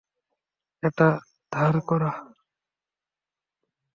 এটা ধার করা।